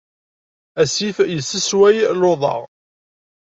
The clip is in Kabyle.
Asif yessesway luḍa.